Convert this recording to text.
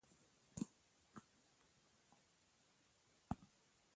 د پېښو تحریف شوی داستان دی.